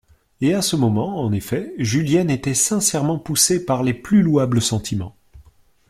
Et, à ce moment, en effet, Julienne était sincèrement poussée par les plus louables sentiments.